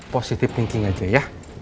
positif thinking aja ya